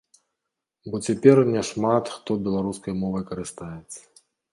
Бо цяпер няшмат хто беларускай мовай карыстаецца.